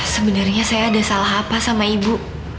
sebenarnya saya ada salah apa sama ibu